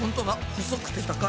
細くて高い。